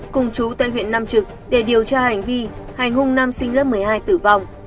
cùng chú tại huyện nam trực để điều tra hành vi hành hung nam sinh lớp một mươi hai tử vong